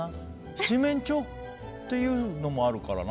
七面鳥っていうのもあるからな。